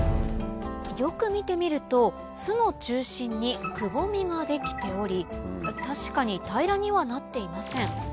よく見てみると巣の中心にくぼみが出来ており確かに平らにはなっていません